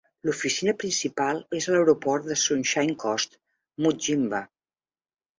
L'oficina principal és a l'aeroport de Sunshine Coast, Mudjimba.